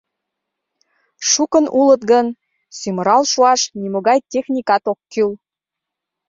— Шукын улыт гын, сӱмырал шуаш нимогай техникат ок кӱл...